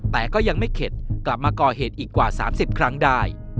แต่ก็ยังไม่เข็ดกลับมาก่อเหตุอีกกว่า๓๐ครั้งได้